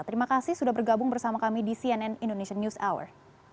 terima kasih sudah bergabung bersama kami di cnn indonesian news hour